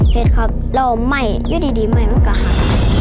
ครับแล้วไหม้อยู่ดีไหม้มันก็หัก